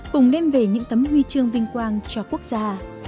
cùng đem về những tấm huy chương vinh quang cho quốc gia